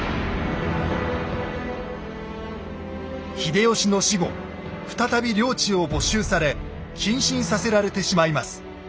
秀吉の死後再び領地を没収され謹慎させられてしまいます。